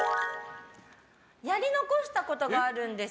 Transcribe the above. やり残したことがあるんです！